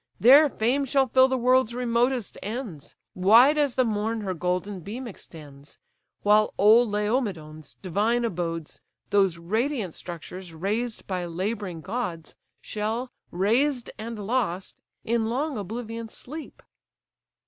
Their fame shall fill the world's remotest ends, Wide as the morn her golden beam extends; While old Laomedon's divine abodes, Those radiant structures raised by labouring gods, Shall, razed and lost, in long oblivion sleep."